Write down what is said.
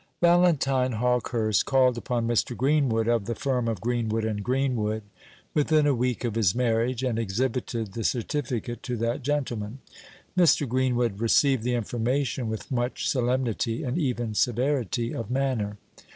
Valentine Hawkehurst called upon Mr. Greenwood, of the firm of Greenwood and Greenwood, within a week of his marriage, and exhibited the certificate to that gentleman. Mr. Greenwood received the information with much solemnity, and even severity, of manner.